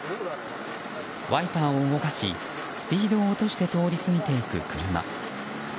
ワイパーを動かしスピードを落として通り過ぎていく車。